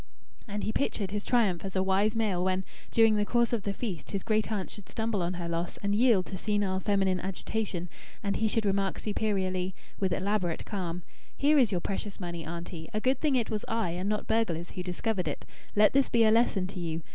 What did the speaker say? And he pictured his triumph as a wise male when, during the course of the feast, his great aunt should stumble on her loss and yield to senile feminine agitation, and he should remark superiorly, with elaborate calm: "Here is your precious money, auntie. A good thing it was I and not burglars who discovered it. Let this be a lesson to you!...